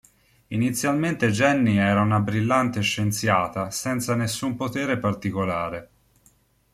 Inizialmente Jenny era una brillante scienziata senza nessun potere particolare.